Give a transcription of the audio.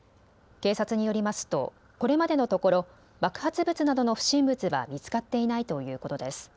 警察によりますとこれまでのところ爆発物などの不審物は見つかっていないということです。